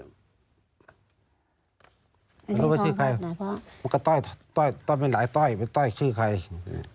ไม่รู้ว่าชื่อใครอ่าพ่อมันก็ต้อยต้อยต้อยเป็นหลายต้อยแต่ต้อยชื่อใครอ่า